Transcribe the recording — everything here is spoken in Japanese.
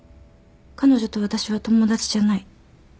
彼女と私は友達じゃない。